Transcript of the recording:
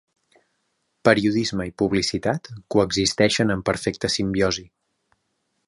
Periodisme i publicitat coexisteixen en perfecta simbiosi.